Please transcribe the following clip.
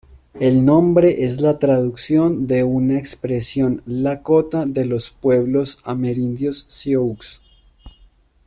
El nombre es la traducción de una expresión lakota de los pueblos amerindios sioux.